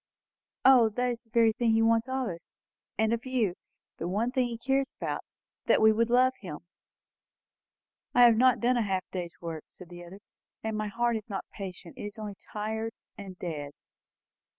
O, it is the very thing he wants of us, and of you; the one thing he cares about! That we would love him." "I have not done a half day's work," said the other; "and my heart is not patient. It is only tired, and dead."